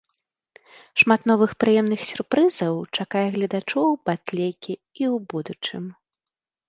Шмат новых прыемных сюрпрызаў чакае гледачоў батлейкі і ў будучым.